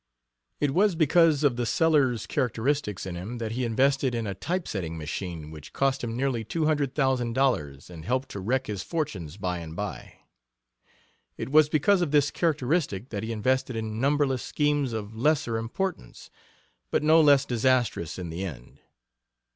It was because of the Sellers characteristics in him that he invested in a typesetting machine which cost him nearly two hundred thousand dollars and helped to wreck his fortunes by and by. It was because of this characteristic that he invested in numberless schemes of lesser importance, but no less disastrous in the end.